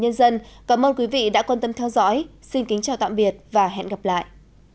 nhân dân cảm ơn quý vị đã quan tâm theo dõi xin kính chào tạm biệt và hẹn gặp lại